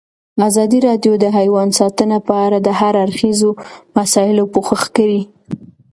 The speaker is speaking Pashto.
ازادي راډیو د حیوان ساتنه په اړه د هر اړخیزو مسایلو پوښښ کړی.